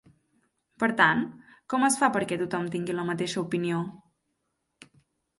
Per tant, com es fa perquè tothom tingui la mateixa opinió?